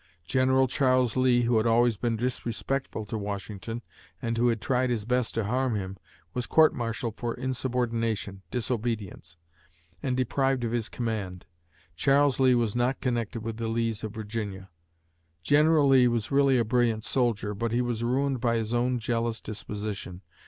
General Charles Lee, who had always been disrespectful to Washington and who had tried his best to harm him, was court martialed for insubordination (disobedience) and deprived of his command. (Charles Lee was not connected with the Lees of Virginia.) General Lee was really a brilliant soldier, but he was ruined by his own jealous disposition.